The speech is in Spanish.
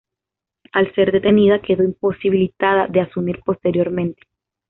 Al ser detenida quedó imposibilitada de asumir posteriormente.